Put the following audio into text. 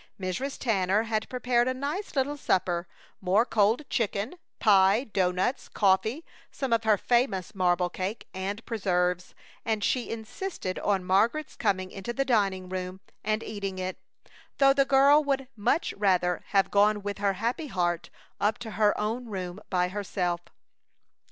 Mrs. Tanner had prepared a nice little supper more cold chicken, pie, doughnuts, coffee, some of her famous marble cake, and preserves and she insisted on Margaret's coming into the dining room and eating it, though the girl would much rather have gone with her happy heart up to her own room by herself.